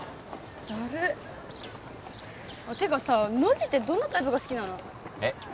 だるってかさノジってどんなタイプが好きなの？